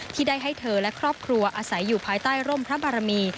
ที่ได้ให้เธอและครอบครัวอาศัยอยู่ภายใต้ร่มพระบารมี